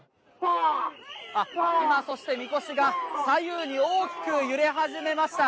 今、そしてみこしが左右に大きく揺れ始めました。